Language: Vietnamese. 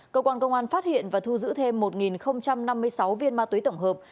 cơ quan công an phát hiện và thu giữ thêm một năm mươi sáu viên ma túy tổng hợp